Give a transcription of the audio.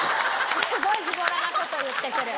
すごいズボラなこと言ってくる。